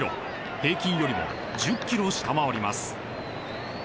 平均よりも１０キロ下回ります。